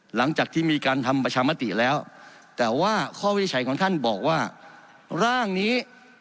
หลังจากที่มีการทำประชามติแล้วแต่ว่าข้อวินิจฉัยของท่านบอกว่าร่างนี้